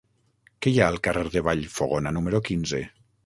Què hi ha al carrer de Vallfogona número quinze?